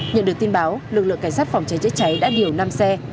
nhận được tin báo lực lượng cảnh sát phòng cháy chữa cháy đã điều năm xe